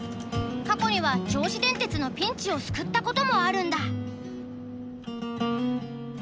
過去には銚子電鉄のピンチを救ったこともあるんだ。